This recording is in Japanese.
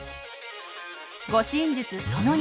護身術その２。